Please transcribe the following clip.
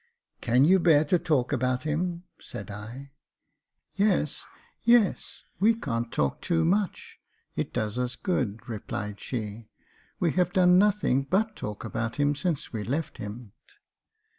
" Can you bear to talk about him ?" said I. " Yes, yes j we can't talk too much : it does us good," replied she. "We have done nothing but talk about him since we left him."